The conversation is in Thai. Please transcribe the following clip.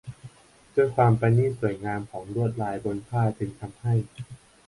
ด้วยความประณีตสวยงามของลวดลายบนผ้าจึงทำให้